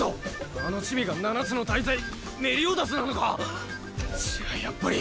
あのチビが七つの大罪メリオダスなのか⁉じゃあやっぱり。